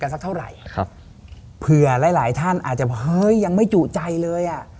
สักเท่าไหร่ครับเผื่อหลายหลายท่านอาจจะบอกเฮ้ยยังไม่จุใจเลยอ่ะ